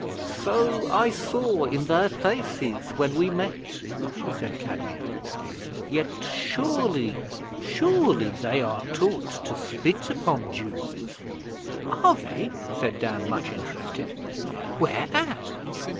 'So I saw in their faces when we met,' said Kadmiel. 'Yet surely, surely they are taught to spit upon Jews?' 'Are they?' said Dan, much interested. 'Where at?'